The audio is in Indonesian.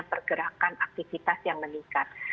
pergerakan aktivitas yang meningkat